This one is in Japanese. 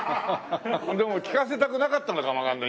でも聞かせたくなかったのかもわかんない。